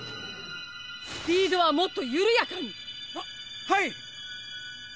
スピードはもっとゆるやかに！ははい！